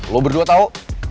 lo berdua tau